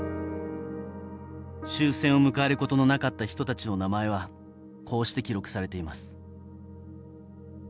終戦を迎えることのなかった人たちの名前はこうして記録されています。